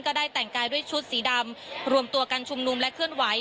ได้แต่งกายด้วยชุดสีดำรวมตัวกันชุมนุมและเคลื่อนไหว